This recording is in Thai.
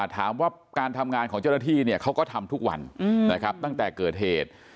ถามว่าการทำงานของเจ้าหน้าที่เนี่ยเขาก็ทำทุกวันนะครับตั้งแต่เกิดเหตุ